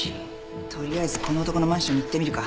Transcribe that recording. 取りあえずこの男のマンションに行ってみるか。